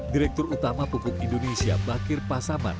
direktur utama pupuk indonesia bakir pasaman